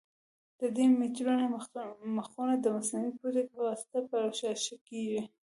د دې میټرونو مخونه د مصنوعي پوټکي په واسطه پوښل کېږي.